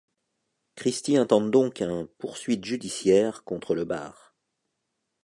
Christie intente donc un poursuite judiciaire contre le bar.